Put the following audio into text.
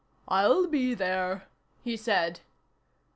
"I'll be there," he said.